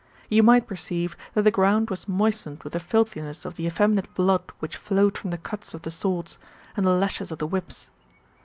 You might perceive that the ground was moistened with the filthiness of the effeminate blood which flowed from the cuts of the swords, and the lashes of the whips.